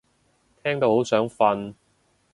聽到好想瞓